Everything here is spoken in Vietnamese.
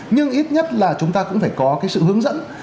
nhưng ít nhất là chúng ta cũng phải có cái sự hướng dẫn